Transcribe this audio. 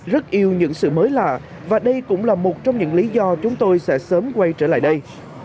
rất yêu những sự mới lạ và đây cũng là một trong những lý do chúng tôi sẽ sớm quay trở lại đây